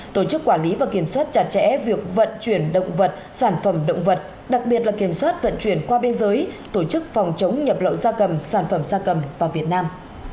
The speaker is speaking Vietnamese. tổ chức quản lý và kiểm soát chặt chẽ việc vận chuyển động vật sản phẩm động vật đặc biệt là kiểm soát vận chuyển qua biên giới tổ chức phòng chống nhập lậu gia cầm sản phẩm xa cầm vào việt nam